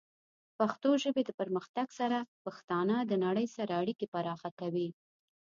د پښتو ژبې د پرمختګ سره، پښتانه د نړۍ سره اړیکې پراخه کوي.